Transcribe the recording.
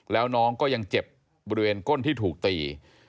แล้วน้องก็ยังเจ็บบริเวณก้นที่ถูกตี